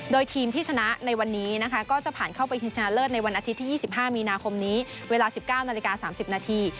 โดยทีมที่ชนะในวันนี้นะคะก็จะผ่านเข้าไปชิงชนะเลิศในวันอาทิตย์ที่๒๕มีนาคมนี้เวลา๑๙นาฬิกา๓๐นาที